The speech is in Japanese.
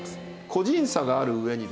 個人差がある上にですね